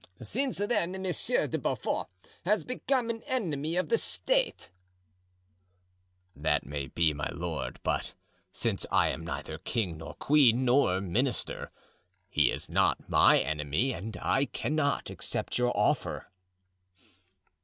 "Since then Monsieur de Beaufort has become an enemy of the State." "That may be, my lord; but since I am neither king nor queen nor minister, he is not my enemy and I cannot accept your offer."